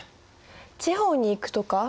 地方に行くとか？